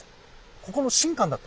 ここの神官だった？